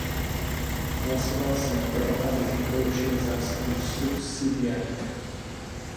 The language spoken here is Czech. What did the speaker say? Hlasoval jsem pro, abych neporušil zásadu subsidiarity.